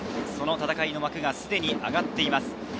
戦いの幕はすでに上がっています。